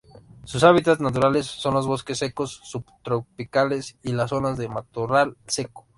Sus hábitats naturales son los bosques secos subtropicales y las zonas de matorral seco.